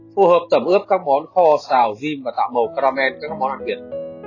phù hợp tẩm ướp các món kho xào rim và tạo màu caramel các món ăn việt